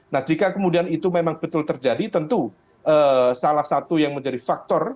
nah jika kemudian itu memang betul terjadi tentu salah satu yang menjadi faktor